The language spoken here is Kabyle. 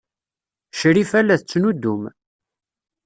Crifa la tettnuddum.